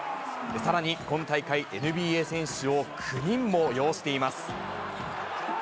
さらに、今大会、ＮＢＡ選手を９人も擁しています。